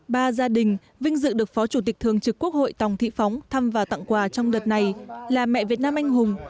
ba gia đình vinh dự được phó chủ tịch thường trực quốc hội tòng thị phóng thăm và tặng quà trong đợt này là mẹ việt nam anh hùng